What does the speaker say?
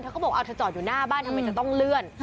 เขาบอกเอาเธอจอดอยู่หน้าบ้านทำไมจะต้องเลื่อน